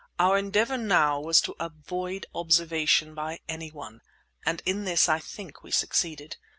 Our endeavour now was to avoid observation by any one, and in this, I think, we succeeded.